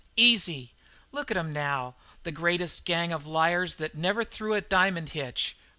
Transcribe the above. "Easy. Look at 'em now the greatest gang of liars that never threw a diamond hitch!